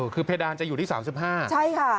คือเพดานจะอยู่ที่๓๕ใช่ค่ะ